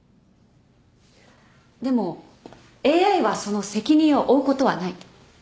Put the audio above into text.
でもＡＩはその責任を負うことはない。